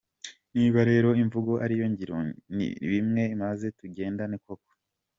Niba rero imvugo ari iyo, n’ingiro nibe imwe, maze tugendane koko.